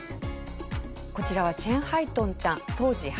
こちらはチェン・ハイトンちゃん当時８歳。